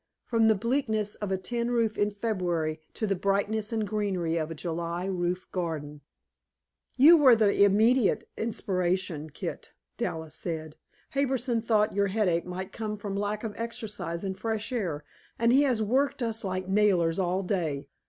From the bleakness of a tin roof in February to the brightness and greenery of a July roof garden! "You were the immediate inspiration, Kit," Dallas said. "Harbison thought your headache might come from lack of exercise and fresh air, and he has worked us like nailers all day.